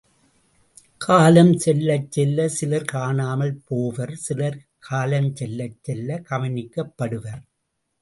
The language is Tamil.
காலம் செல்லச் செல்ல சிலர் காணாமல் போவர் சிலர் காலம் செல்ல செல்ல கவனிக்கப்படுவர்.